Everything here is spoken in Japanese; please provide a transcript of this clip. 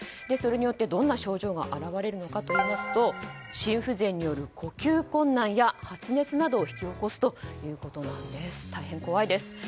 それによってどんな症状が現れるのかというと心不全による呼吸困難や発熱などを引き起こすということなんです。